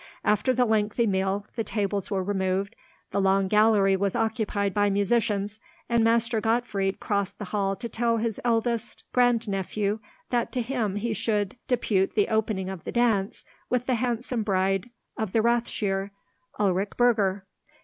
After the lengthy meal, the tables were removed, the long gallery was occupied by musicians, and Master Gottfried crossed the hall to tell his eldest grandnephew that to him he should depute the opening of the dance with the handsome bride of the Rathsherr, Ulrich Burger.